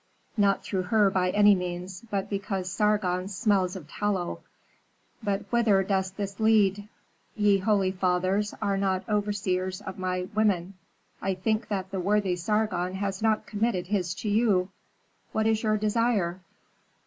"Not through her by any means, but because Sargon smells of tallow. But whither does this lead? Ye, holy fathers, are not overseers of my women; I think that the worthy Sargon has not committed his to you. What is your desire?"